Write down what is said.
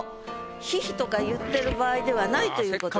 「霏々」とか言ってる場合ではないという事です。